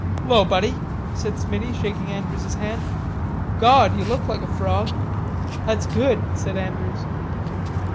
"'Lo, buddy," said Smiddy, shaking Andrews's hand. "Gawd, you look like a frawg." "That's good," said Andrews.